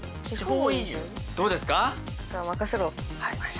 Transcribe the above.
どうですか？